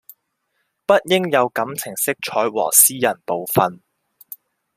不應有感情色彩和私人成分